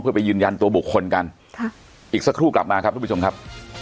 เพื่อไปยืนยันตัวบุคคลกันค่ะอีกสักครู่กลับมาครับทุกผู้ชมครับ